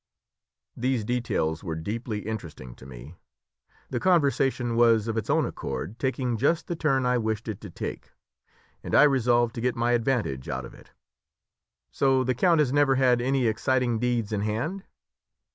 These details were deeply interesting to me. The conversation was of its own accord taking just the turn I wished it to take, and I resolved to get my advantage out of it. "So the count has never had any exciting deeds in hand?"